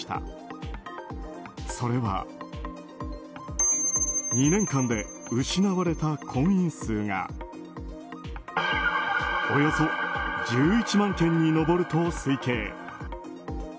それは。それは２年間で失われた婚姻数がおよそ１１万件に上ると推計。